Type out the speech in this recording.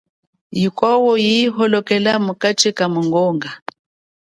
Yikwo, iyi holokela mukachi kamingonga.